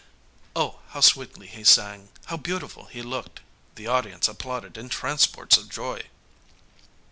Oh, how sweetly he sang! how beautiful he looked! The audience applauded in transports of joy.